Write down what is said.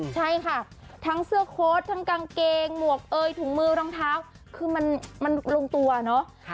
ใช่ค่ะทั้งเสื้อโค้ดทั้งกางเกงหมวกเอยถุงมือรองเท้าคือมันลงตัวเนาะ